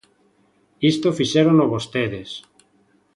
Isto fixérono vostedes.